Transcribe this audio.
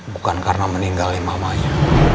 bukan karena meninggalin mamanya